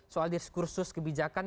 soal diskursus kebijakan